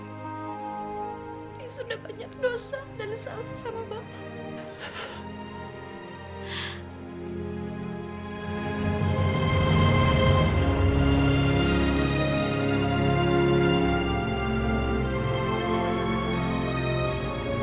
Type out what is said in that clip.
ini sudah banyak dosa dan salah sama bapak